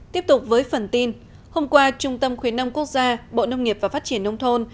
tiếp tục với phần tin hôm qua trung tâm khuyến nông quốc gia bộ nông nghiệp và phát triển nông thôn